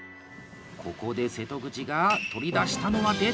ここで瀬戸口が取り出したのは出た！